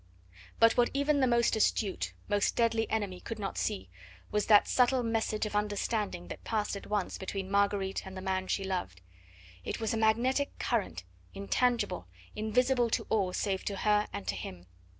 But what even the most astute, most deadly enemy could not see was that subtle message of understanding that passed at once between Marguerite and the man she loved; it was a magnetic current, intangible, invisible to all save to her and to him.